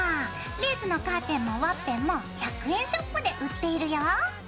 レースのカーテンもワッペンも１００円ショップで売っているよ。